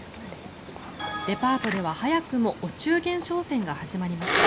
デパートでは早くもお中元商戦が始まりました。